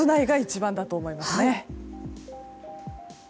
室内が一番だと思います。